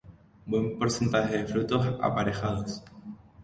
Buen porcentaje de frutos aparejados.